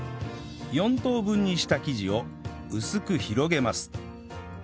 ４等分にした生地を薄く広げます